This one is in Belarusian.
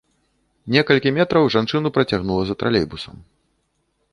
Некалькі метраў жанчыну працягнула за тралейбусам.